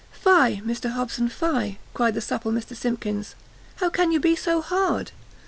"Fie, Mr Hobson fie," cried the supple Mr Simkins, "how can you be so hard?